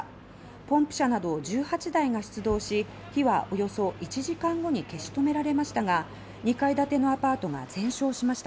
ポンプ車などを１８台が出動し火はおよそ１時間後に消し止められましたが２階建てのアパートが全焼しました。